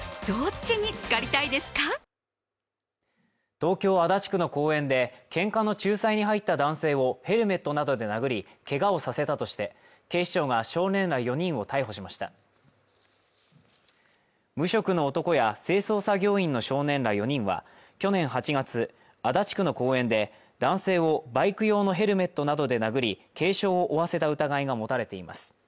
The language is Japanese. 東京足立区の公園でケンカの仲裁に入った男性をヘルメットなどで殴りケガをさせたとして警視庁が少年ら４人を逮捕しました無職の男や清掃作業員の少年ら４人は去年８月足立区の公園で男性をバイク用のヘルメットなどで殴り軽傷を負わせた疑いが持たれています